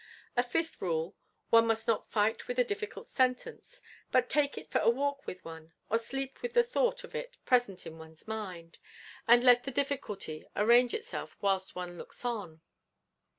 A fifth rule: One must not fight with a difficult sentence; but take it for a walk with one; or sleep with the thought of it present in one's mind; and let the difficulty arrange itself whilst one looks on.